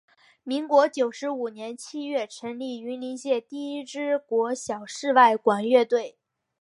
民国九十五年七月成立云林县第一支国小室外管乐团。